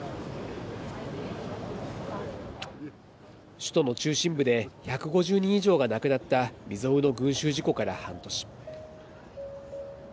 首都の中心部で１５０人以上が亡くなった未曽有の群集事故から半年。